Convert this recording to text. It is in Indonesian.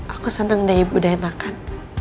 aku seneng dari ibu daina kan